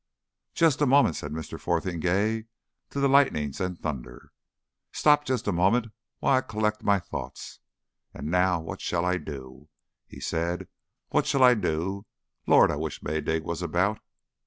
"Just a moment," said Mr. Fotheringay to the lightnings and thunder. "Stop jest a moment while I collect my thoughts.... And now what shall I do?" he said. "What shall I do? Lord! I wish Maydig was about.